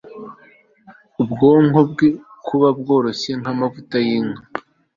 ubwonko bwe buba bworoshe nka mavuta y inka